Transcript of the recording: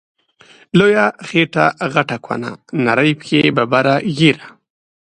لويه خيټه غټه کونه، نرۍ پښی ببره ږيره